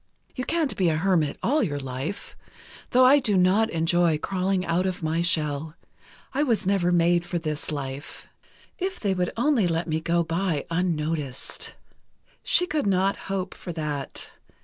You can't be a hermit all your life, though I do not enjoy crawling out of my shell.... I was never made for this life—if they would only let me go by unnoticed. She could not hope for that.